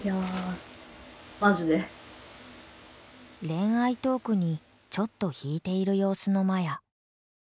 恋愛トークにちょっと引いている様子のマヤ。